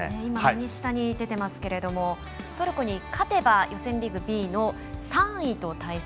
右下に出ていますけれどトルコに勝てば予選リーグＢの３位と対戦。